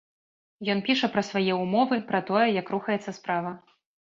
Ён піша пра свае ўмовы, пра тое, як рухаецца справа.